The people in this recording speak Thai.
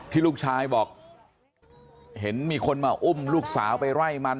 ลูกชายบอกเห็นมีคนมาอุ้มลูกสาวไปไล่มัน